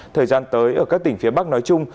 thời gian tới ở các tỉnh phía bắc nói chung